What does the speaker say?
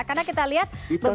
karena kita lihat beberapa